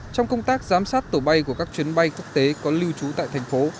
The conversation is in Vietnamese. trong công tác giám sát tổ bay của các chuyến bay quốc tế có lưu trú tại thành phố